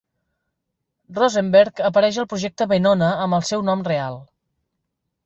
Rosenberg apareix al projecte Venona amb el seu nom real.